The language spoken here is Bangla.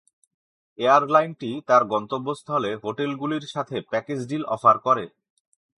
এয়ারলাইনটি তার গন্তব্যস্থলে হোটেলগুলির সাথে প্যাকেজ ডিল অফার করে।